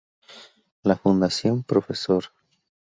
La Fundación Prof.